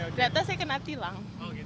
rata rata saya kena tilang